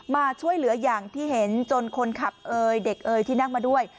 มาช่วยเหลืออย่างที่เห็นจนคนขับเอ่ยเด็กเอ่ยที่นั่งมาด้วย